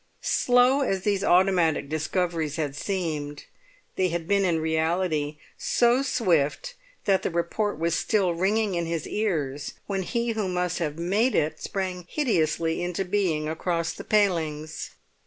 Slow as these automatic discoveries had seemed, they had been in reality so swift that the report was still ringing in his ears when he who must have made it sprang hideously into being across the palings.